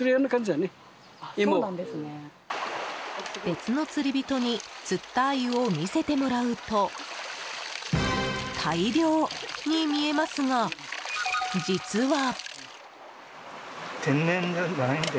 別の釣り人に釣ったアユを見せてもらうと大量に見えますが、実は。